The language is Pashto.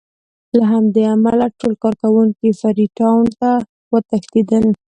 له همدې امله ټول کارکوونکي فري ټاون ته وتښتېدل.